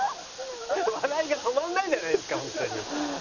笑いが止まらないじゃないですかホントに。